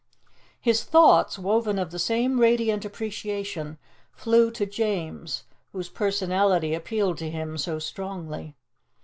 His thoughts, woven of the same radiant appreciation, flew to James, whose personality appealed to him so strongly.